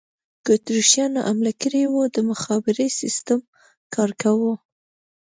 که اتریشیانو حمله کړې وای، نه د مخابرې سیسټم کار کاوه.